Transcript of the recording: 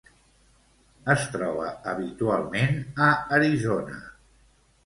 Es troba habitualment a Arizona.